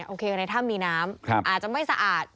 โอเคในถ้ำมีน้ำอาจจะไม่สะอาด